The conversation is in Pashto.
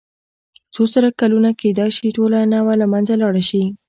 څو زره کلونه کېدای شي ټوله نوعه له منځه لاړه شي.